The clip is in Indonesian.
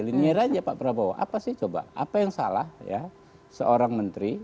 linear aja pak prabowo apa sih coba apa yang salah ya seorang menteri